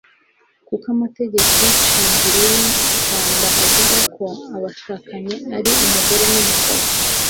kuko amategeko shingiro y'urwanda avuga ko abashakanye ari umugore n'umugabo